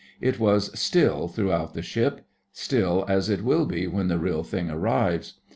It was 'still' throughout the ship—still as it will be when the Real Thing arrives.